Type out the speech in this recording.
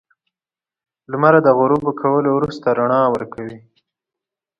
• لمر د غروب کولو وروسته رڼا ورکوي.